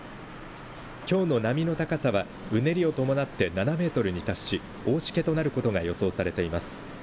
きょうの波の高さはうねりを伴って７メートルに達し大しけとなることが予想されています。